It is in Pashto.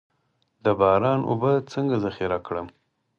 د باران اوبه څنګه ذخیره کړم؟